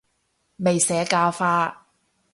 未社教化